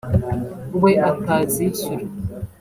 we atazishyura